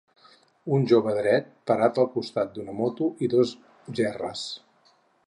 Un jove dret, parat al costat d'una moto i dos gerres.